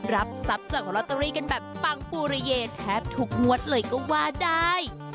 รับทรัพย์จากลอตเตอรี่กันแบบปังปูระเยแทบทุกงวดเลยก็ว่าได้